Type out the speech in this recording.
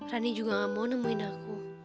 rani juga gak mau nemuin aku